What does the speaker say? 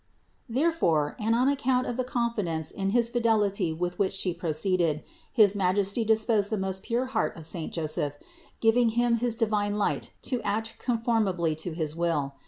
Therefore, and on account of the confidence in his fidelity with which She proceeded, his Majesty disposed the most pure heart of saint Joseph, giving him his divine light to act conformably to his will.